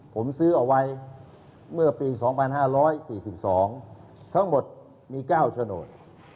ผมซื้อเอาไว้เมื่อปี๒๕๔๒ทั้งหมดมี๙โฉนด